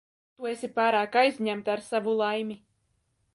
Tu esi pārāk aizņemta ar savu laimi.